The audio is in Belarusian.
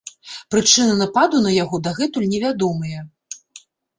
Прычыны нападу на яго дагэтуль невядомыя.